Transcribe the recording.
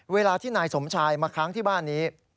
เวลาที่นายสมชายมาค้างที่บ้านนี้